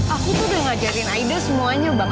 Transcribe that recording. aku tuh udah ngajarin aida semuanya bang